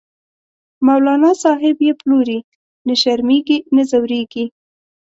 مولانا صاحب یی پلوری، نه شرمیزی نه ځوریږی